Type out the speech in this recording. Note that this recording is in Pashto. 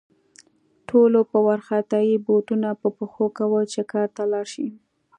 ټولو په وارخطايي بوټونه په پښو کول چې کار ته لاړ شي